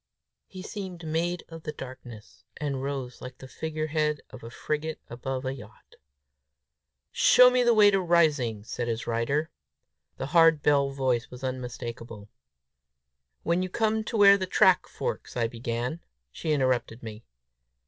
He seemed made of the darkness, and rose like the figurehead of a frigate above a yacht. "Show me the way to Rising," said his rider. The hard bell voice was unmistakable. "When you come where the track forks," I began. She interrupted me.